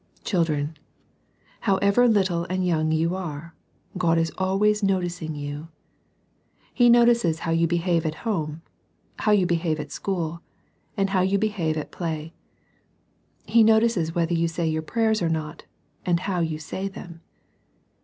Children, however little and young you are, God is always noticing you. He notices how you behave at home, how you behave at school, and how you behave at play. He notices whether you say your prayers or not, and how you say them.